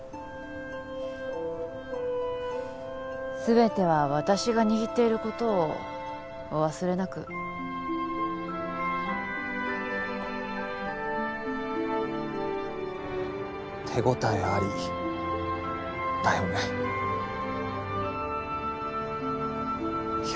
すべては私が握っていることをお忘れなく手応えありだよねよ